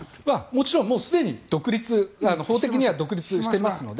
もちろんすでに法的には独立してますので。